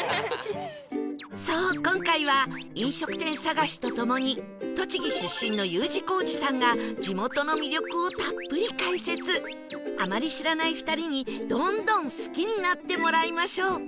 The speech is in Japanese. そう今回は飲食店探しとともに栃木出身の Ｕ 字工事さんが地元の魅力をたっぷり解説あまり知らない２人にどんどん好きになってもらいましょう